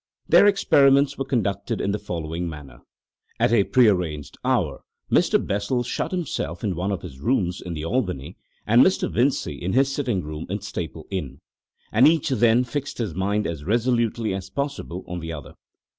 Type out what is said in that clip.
Their experiments were conducted in the following manner: At a pre arranged hour Mr. Bessel shut himself in one of his rooms in the Albany and Mr. Vincey in his sitting room in Staple Inn, and each then fixed his mind as resolutely as possible on the other.